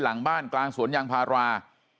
หลังบ้านกลางสวนยางพารา